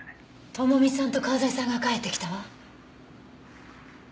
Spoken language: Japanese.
智美さんと川添さんが帰ってきたわ。